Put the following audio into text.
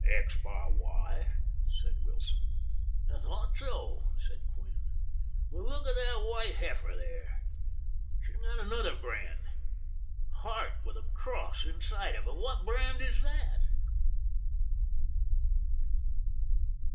"X Bar Y," said Wilson. "I thought so," said Quinn. "But look at that white heifer there; she's got another brand—a heart with a cross inside of it. What brand is that?"